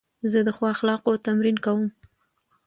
زه د ښو اخلاقو تمرین کوم.